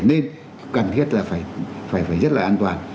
nên cần thiết là phải rất là an toàn